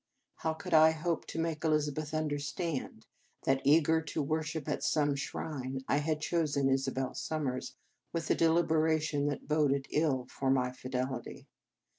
How could I hope to make Elizabeth understand that, eager to worship at some shrine, I had chosen Isabel Summers with a deliberation that boded ill for my fidelity.